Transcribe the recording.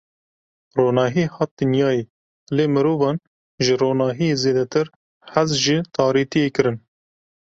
Ronahî hat dinyayê lê mirovan ji ronahiyê zêdetir hez ji tarîtiyê kirin.